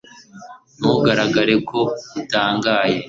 ntugaragare ko utangaye